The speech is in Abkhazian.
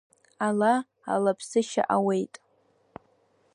Ала, ала ԥсышьа ауеит.